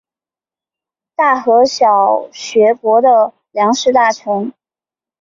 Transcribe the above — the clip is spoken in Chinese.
大和小学国的食料大臣。